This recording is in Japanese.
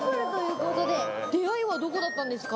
出会いはどこだったんですか？